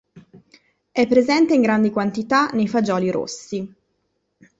È presente in grandi quantità nei fagioli rossi.